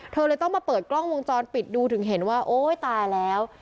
เธอเลยต้องมาเปิดกล้องวงจรปิดดูถึงเห็นว่าโอ๊ยตายแล้ว